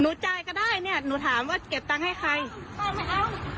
หนูจ่ายก็ได้หนูถามว่าเก็บตังค์ให้ใคร